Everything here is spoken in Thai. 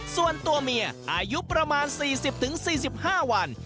ส่วนตัวเมียอายุประมาณ๔๐๔๕วัน